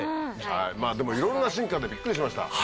まぁでもいろんな進化あってびっくりしました。